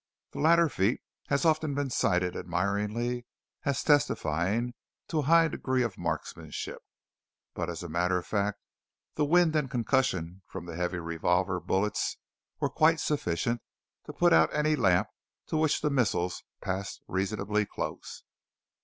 The latter feat has often been cited admiringly as testifying to a high degree of marksmanship, but as a matter of fact the wind and concussion from the heavy revolver bullets were quite sufficient to put out any lamp to which the missiles passed reasonably close.